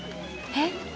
えっ？